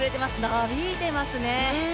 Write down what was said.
なびいてますね。